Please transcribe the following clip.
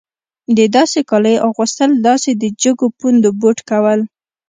د داسې کالیو اغوستل داسې د جګو پوندو بوټ کول.